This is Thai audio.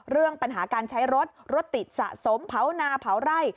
เรื่องปัญหาการใช้รถรถติดสะสมเผานาเผาไร่